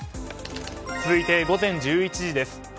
続いて午前１１時です。